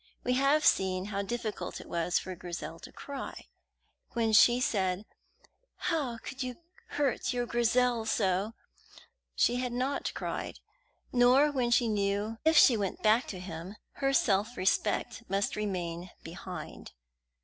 We have seen how difficult it was for Grizel to cry. When she said "How could you hurt your Grizel so!" she had not cried, nor when she knew that if she went back to him her self respect must remain behind.